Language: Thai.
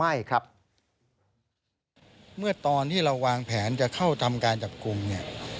ไม่ครับเมื่อตอนที่เราวางแผนจะเข้าทำการจับกลุ่มเนี่ย